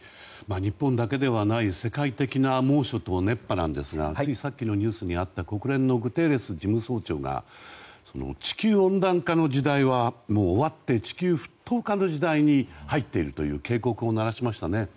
日本だけではない世界的な猛暑と熱波ですがついさっきのニュースにあった国連のグテーレス事務総長が地球温暖化の時代は終わって地球沸騰化の時代に入っているという警告を鳴らしましたね。